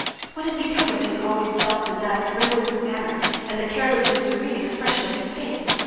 What had become of his always self possessed resolute manner, and the carelessly serene expression of his face?